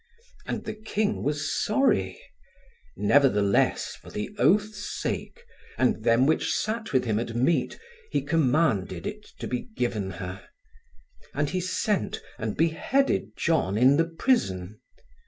And the king was sorry: nevertheless, for the oath's sake, and them which sat with him at meat, he commanded it to be given her. And he sent, and beheaded John in the prison.